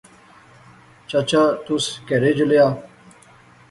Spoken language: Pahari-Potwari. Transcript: چچا تس کہھرے چلیا؟